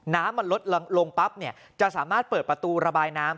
น้ำมันลดลงปั๊บจะสามารถเปิดประตูระบายน้ำ